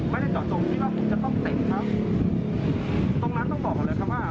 ไม่ได้เจาะจบที่ว่าคุณจะต้องเต็มครับตรงนั้นต้องบอกกันเลยครับว่า